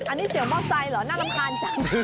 อันนี้เสียงมอไซค์เหรอน่ารำคาญจัง